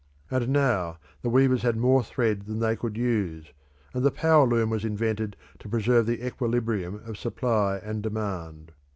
And now the weavers had more thread than they could use, and the power loom was invented to preserve the equilibrium of supply and demand.